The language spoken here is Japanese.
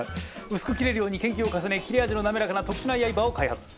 薄く切れるように研究を重ね切れ味の滑らかな特殊な刃を開発。